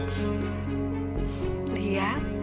kamu bisa berjaga jaga